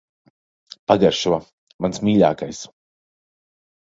Pagaršo. Mans mīļākais.